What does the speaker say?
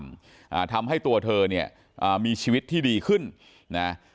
อ่าทำให้ตัวเธอเนี่ยอ่ามีชีวิตที่ดีขึ้นนะ